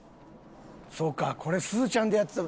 そうかこれすずちゃんでやってた。